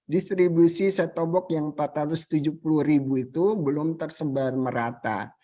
distribusi set top box yang empat ratus tujuh puluh ribu itu belum tersebar merata